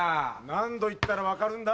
何度言ったら分かるんだ？